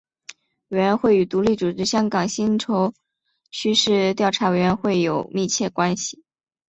委员会与独立组织香港薪酬趋势调查委员会有密切联系。